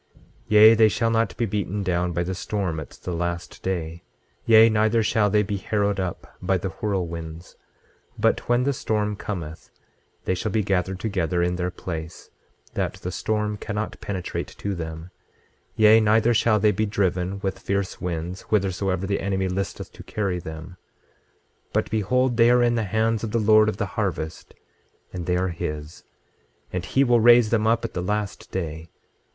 26:6 Yea, they shall not be beaten down by the storm at the last day; yea, neither shall they be harrowed up by the whirlwinds; but when the storm cometh they shall be gathered together in their place, that the storm cannot penetrate to them; yea, neither shall they be driven with fierce winds whithersoever the enemy listeth to carry them. 26:7 But behold, they are in the hands of the Lord of the harvest, and they are his; and he will raise them up at the last day.